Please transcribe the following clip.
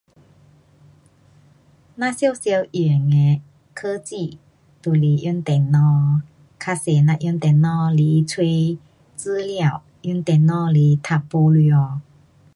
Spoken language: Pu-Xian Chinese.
咱常常用的科技就是用电脑，较多咱用电脑来找资料，用电脑来读报纸。